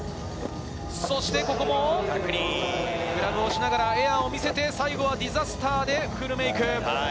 そしてここもグラブをしながらエアを見せて最後はディザスターでフルメイク。